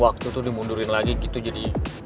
waktu itu dimundurin lagi gitu jadi